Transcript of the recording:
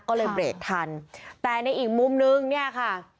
ก็เลยเบรกทันแต่ในอีกมุมนึงเนี่ยค่ะ